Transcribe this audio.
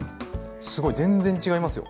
すごい全然違いますよ。